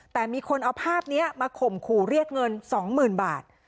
แต่มีคนเอาภาพเนี้ยมาข่มขู่เรียกเงินสองหมื่นบาท